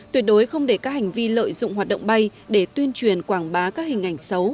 tuyệt đối không để các hành vi lợi dụng hoạt động bay để tuyên truyền quảng bá các hình ảnh xấu